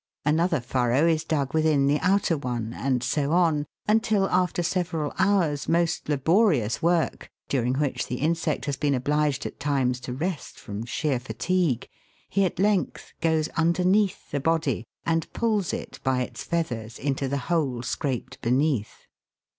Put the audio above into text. Another furrow is dug within the outer one, and so on, until after several hours' most laborious work, during which the insect has been obliged at times to rest from sheer fatigue, he at length goes underneath the body and pulls it by its feathers into the hole scraped beneath.